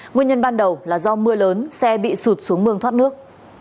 nguyên nhân ban đầu là do mưa lớn xe bị sụt xuống mương thoát nước